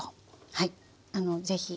はい是非。